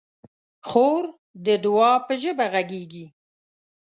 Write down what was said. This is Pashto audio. خور د دعا په ژبه غږېږي.